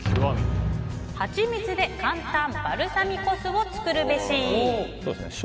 ハチミツで簡単バルサミコ酢を作るべし。